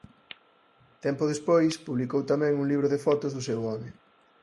Tempo despois publicou tamén un libro de fotos do seu home.